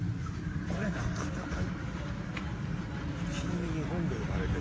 これなかなか。